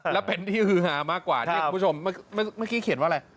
แล้วเป็นที่ฮือหามากกว่าที่คุณผู้ชมเมื่อกี้เขียนว่าอะไร